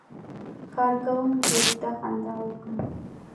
کارکونکي اوږده خندا وکړه.